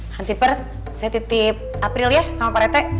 hansi perth saya titip april ya sama pak retek